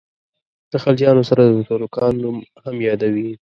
د خلجیانو سره د ترکانو نوم هم یادوي.